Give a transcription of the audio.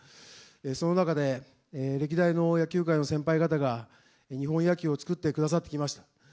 その中で、歴代の野球界の先輩方が、日本野球を作ってくださってきました。